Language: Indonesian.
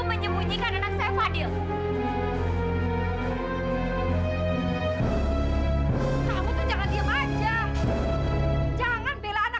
saya nggak tahu di mana anak saya berada